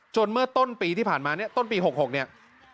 เมื่อต้นปีที่ผ่านมาเนี่ยต้นปี๖๖เนี่ย